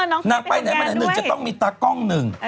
นางไปไหนมาไหนหนึ่งจะต้องมีตากล้องหนึ่ง